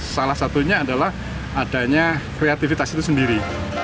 salah satunya adalah adanya kreativitas itu sendiri